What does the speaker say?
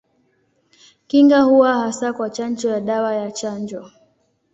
Kinga huwa hasa kwa chanjo ya dawa ya chanjo.